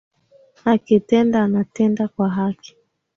Akitenda anatenda kwa haki